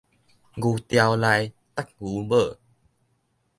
牛牢內觸牛母